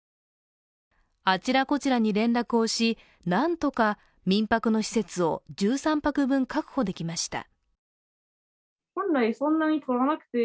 あちらこちらに連絡をし、なんとか民泊の施設を１３泊分確保できました。